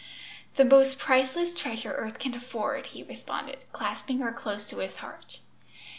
"The most priceless treasure earth can afford!" he responded, clasping her close to his heart.